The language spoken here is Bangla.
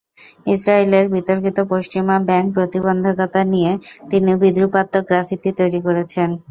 ইসরাইলের বিতর্কিত পশ্চিমা ব্যাংক প্রতিবন্ধকতা নিয়ে তিনি বিদ্রুপাত্মক গ্রাফিতি তৈরি করেছেন।